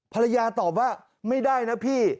ตอบว่าไม่ได้นะพี่